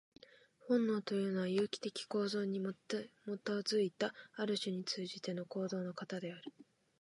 本能というのは、有機的構造に基いた、ある種に通じての行動の型である。